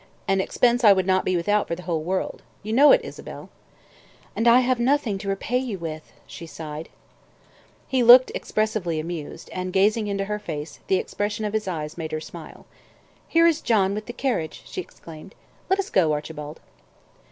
"An expense I would not be without for the whole world. You know it, Isabel." "And I have nothing to repay you with," she sighed. He looked expressively amused, and, gazing into her face, the expression of his eyes made her smile. "Here is John with the carriage," she exclaimed. "Let us go, Archibald."